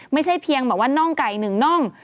ไม่ใช่เพียงแบบว่าน่องไก่หนึ่งน่อง